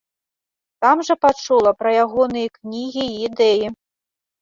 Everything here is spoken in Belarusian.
Там жа пачула пра ягоныя кнігі і ідэі.